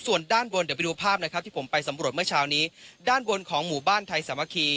ส่วนด้านบนเดี๋ยวไปดูภาพนะครับที่ผมไปสำรวจเมื่อเช้านี้ด้านบนของหมู่บ้านไทยสามัคคี